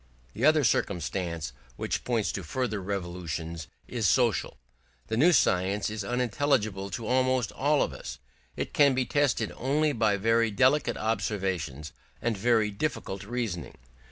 The other circumstance which points to further revolutions is social. The new science is unintelligible to almost all of us; it can be tested only by very delicate observations and very difficult reasoning.